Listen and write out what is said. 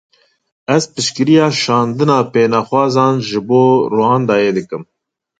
Ez piştgiriya şandina pênaxwazan ji bo Ruandayê dikim.